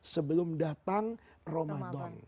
sebelum datang ramadan